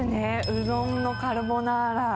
うどんのカルボナーラ。